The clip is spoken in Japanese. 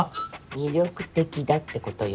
魅力的だってことよ。